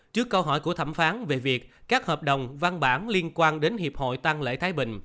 trước câu hỏi của thẩm phán về việc các hợp đồng văn bản liên quan đến hiệp hội tăng lễ thái bình